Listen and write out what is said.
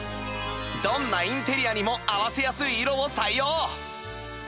どんなインテリアにも合わせやすい色を採用